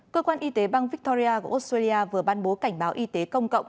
cơ quan y tế bang victoria của australia vừa ban bố cảnh báo y tế công cộng